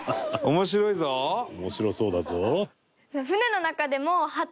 面白そうだぞ。